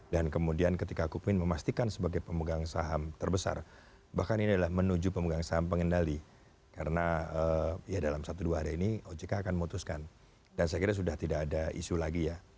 dan kemudian ketika kukmin memastikan sebagai pemegang saham terbesar bahkan ini adalah menuju pemegang saham pengendali karena ya dalam satu dua hari ini ojk akan memutuskan dan saya kira sudah tidak ada isu lagi ya